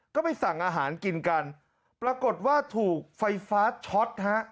ก็ไปสั่งอาหารกินกันปรากฏว่าถูกไฟฟ้าช็อตฮะ